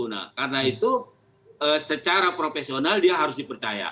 nah karena itu secara profesional dia harus dipercaya